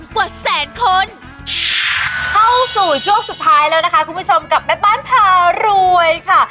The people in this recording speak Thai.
กว่าแสนคนเข้าสู่ช่วงสุดท้ายแล้วนะคะคุณผู้ชมกับแม่บ้านพารวยค่ะ